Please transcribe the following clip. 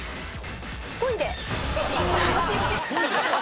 「トイレ」